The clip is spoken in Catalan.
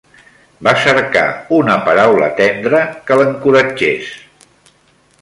Va cercar una paraula tendra que l'encoratgés